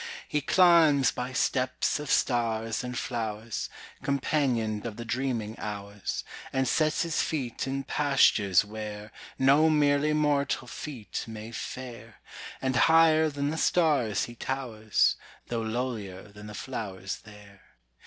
He climbs by steps of stars and flowers, Companioned of the dreaming hours, And sets his feet in pastures where No merely mortal feet may fare; And higher than the stars he towers Though lowlier than the flowers there.